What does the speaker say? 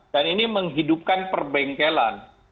dan ini menghidupkan perbengkelan